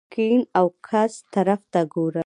ګېڼ او ګس طرف ته ګوره !